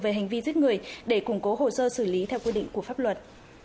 về hành vi giết người để củng cố hồ sơ xử lý theo quy định của pháp luật